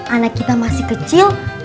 anak kita masih kecil